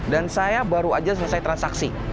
dan saya baru aja selesai transaksi